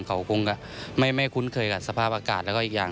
เขาคงก็ไม่คุ้นเคยกับสภาพอากาศ